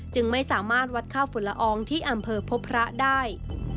จึงไม่สามารถวัดค่าฝุ่นละอองที่อำเภอพบพระได้